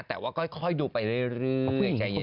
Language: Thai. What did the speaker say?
แต่ว่าก็ค่อยดูไปเรื่อย